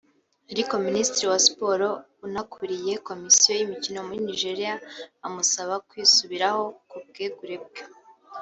ariko Minisitiri wa Siporo unakuriye komisiyo y’imikino muri Nigeria amusaba kwisubiraho ku bwegure bwe